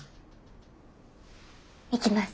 いきます。